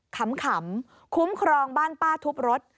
ขำคุ้มครองบ้านป้าทุบรถ